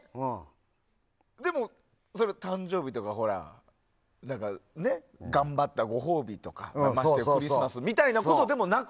でも、誕生日とか頑張ったご褒美とかクリスマスみたいなことでもなく？